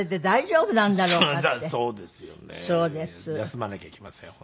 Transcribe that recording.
休まなきゃいけません本当に。